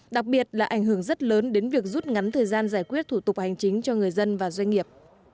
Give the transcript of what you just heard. đặc biệt là ảnh hưởng rất lớn đến việc rút ngắn thời gian giải quyết thủ tục hành chính cho người dân và doanh nghiệp